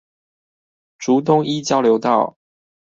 竹東一交流道